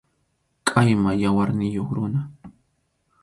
Qʼayma yawarniyuq runa.